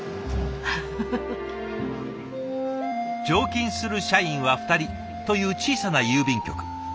常勤する社員は２人という小さな郵便局。